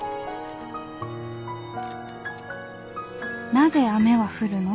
「なぜ雨は降るの？